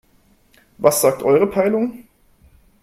Was sagt eure Peilung?